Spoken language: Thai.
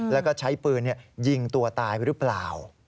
แล้วก็ใช้ปืนยิงตัวตายหรือเปล่า